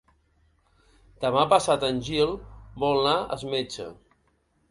Demà passat en Gil vol anar al metge.